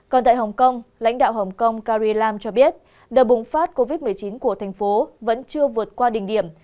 còn tại hồng kông lãnh đạo hồng kông cari lam cho biết đợt bùng phát covid một mươi chín của thành phố vẫn chưa vượt qua đỉnh điểm